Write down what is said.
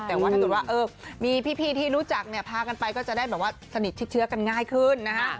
แต่ว่าถ้าเกิดว่ามีพี่ที่รู้จักเนี่ยพากันไปก็จะได้แบบว่าสนิทชิดเชื้อกันง่ายขึ้นนะฮะ